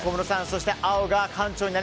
そして、青が館長。